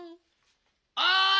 おい！